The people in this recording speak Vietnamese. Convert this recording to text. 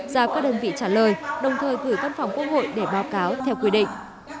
ra các đơn vị trả lời đồng thời gửi văn phòng quốc hội để báo cáo theo quy định